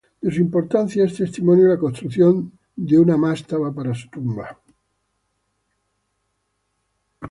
De su importancia es testimonio la construcción de una mastaba para su tumba.